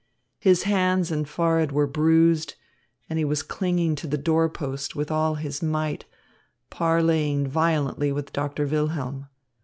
His hands and forehead were bruised, and he was clinging to the door post with all his might, parleying violently with Doctor Wilhelm.